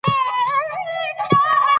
پښتو ژبه د ښه ادب او فرهنګ ژبه ده.